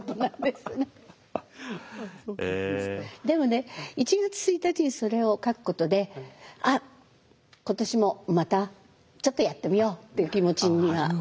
でもね１月１日にそれを書くことで「あっ今年もまたちょっとやってみよう」っていう気持ちにはなりますね。